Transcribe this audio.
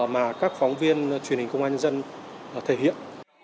mà các phóng viên truyền hình công an nhân dân thể hiện